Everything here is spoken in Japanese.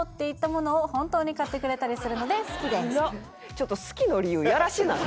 ちょっと好きの理由やらしない？